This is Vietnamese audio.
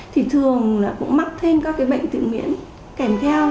thì thường cũng mắc thêm các bệnh tự miễn kèm theo